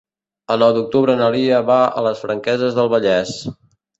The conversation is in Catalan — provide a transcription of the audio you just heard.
El nou d'octubre na Lia va a les Franqueses del Vallès.